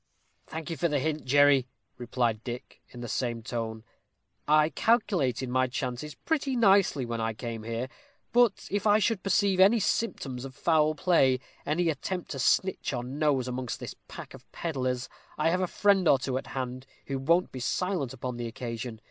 "Thank you for the hint, Jerry," replied Dick, in the same tone. "I calculated my chances pretty nicely when I came here. But if I should perceive any symptoms of foul play any attempt to snitch or nose, amongst this pack of peddlers I have a friend or two at hand, who won't be silent upon the occasion.